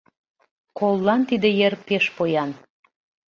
Коллан тиде ер пеш поян.